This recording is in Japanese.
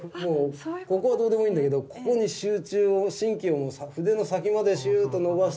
ここはどうでもいいんだけどここに集中を神経を筆の先までシューッと伸ばして。